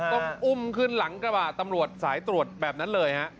ก็อุ้มขึ้นหลังกระบาดตรวจสายตรวจแบบนั้นเลยครับ